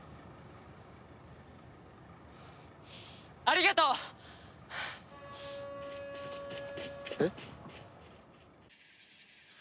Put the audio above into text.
ありがとう！えっ？